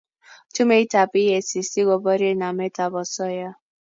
Tumeit ab eacc ko borie namet ab asoya